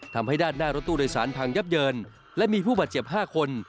ทำให้ด้านหน้ารถตู้โดยสารพังยับเยินและมีผู้บาดเจ็บ๕คน